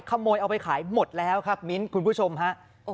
ขโมยเอาไปขายหมดแล้วครับมิ้นท์คุณผู้ชมฮะ